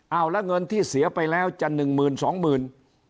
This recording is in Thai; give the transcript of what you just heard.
เอาแล้วเงินที่เสียไปแล้วจะหนึ่งหมื่นสองหมื่น